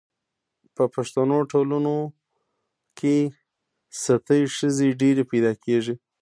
په پښتنو ټولنو کي ستۍ ښځي ډیري پیدا کیږي